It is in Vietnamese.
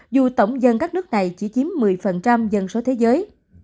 dù tổng dân các nước này chỉ chiếm một mươi dân số thế giới